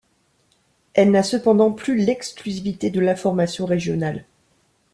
Elle n’a cependant plus l’exclusivité de l’information régionale.